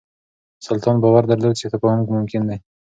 سلطان باور درلود چې تفاهم ممکن دی.